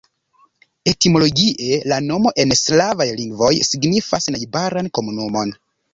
Etimologie la nomo en slavaj lingvoj signifas najbaran komunumon.